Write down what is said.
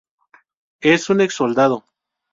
Es un ex-soldado.